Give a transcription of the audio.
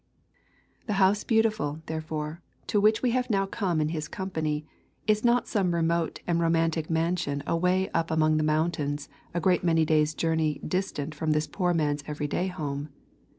The House Beautiful, therefore, to which we have now come in his company, is not some remote and romantic mansion away up among the mountains a great many days' journey distant from this poor man's everyday home.